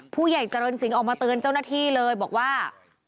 ผู้ใหญ่เจริญสิงห์ออกมาเตือนเจ้าหน้าที่เลยบอกว่า